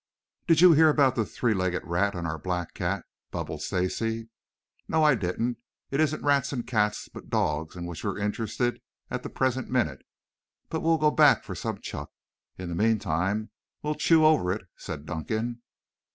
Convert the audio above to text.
"Did you hear about the three legged rat and our black cat?" bubbled Stacy. "No, I didn't. It isn't rats and cats, but dogs, in which we're interested at the present minute. We'll go back for some chuck. In the meantime we'll chew over it," said Dunkan.